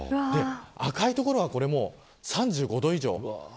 赤い所は３５度以上。